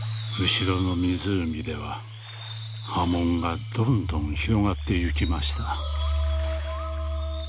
「後ろの湖では波紋がどんどん広がってゆきました」。